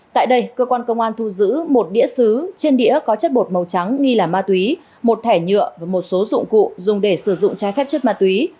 tại đây cơ quan công an thu giữ một đĩa xứ trên đĩa có chất bột màu trắng nghi là ma túy một thẻ nhựa và một số dụng cụ dùng để sử dụng trái phép chất ma túy